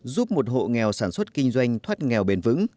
giúp một hộ nghèo sản xuất kinh doanh thoát nghèo bền vững